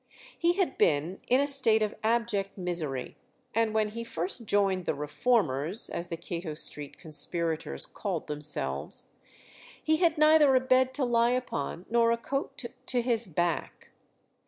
He had been in a state of abject misery, and when he first joined "the reformers," as the Cato Street conspirators called themselves, he had neither a bed to lie upon nor a coat to his back.